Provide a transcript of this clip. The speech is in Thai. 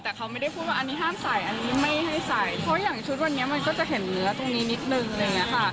แต่เขาไม่ได้พูดว่าอันนี้ห้ามใส่อันนี้ไม่ให้ใส่เพราะว่าอย่างชุดวันนี้มันก็จะเห็นเนื้อตรงนี้นิดนึง